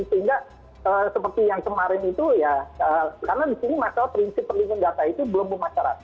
sehingga seperti yang kemarin itu ya karena disini maka prinsip pelindung data itu belum bermasyarakat